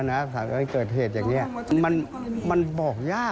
คุณผู้ชมฟังเสียงเจ้าอาวาสกันหน่อยค่ะ